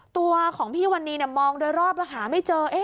ตัวของพี่วันนี้มองโดยรอบแล้วหาไม่เจอ